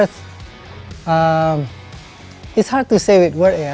susah untuk mengatakannya dengan kata kata